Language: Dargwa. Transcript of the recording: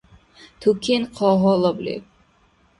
Тукен хъа гьалаб леб.